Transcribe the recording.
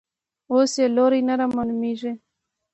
اوس یې لوری نه رامعلومېږي.